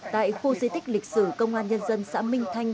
tại khu di tích lịch sử công an nhân dân xã minh thanh